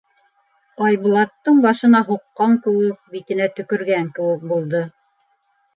Айбулаттың башына һуҡҡан кеүек, битенә төкөргән кеүек булды.